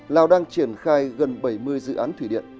lào đang triển khai gần bảy mươi dự án thủy điện